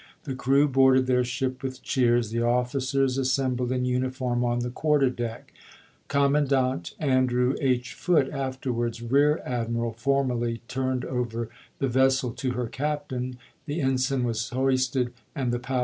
The crew boarded their ship with cheers, the offi cers assembled in uniform on the quarter deck. Commandant Andrew H. Foote, afterwards Rear Admiral, formally turned over the vessel to her captain, the ensign was hoisted, and the Powhatan ABEAHAM LINCOLN Chap.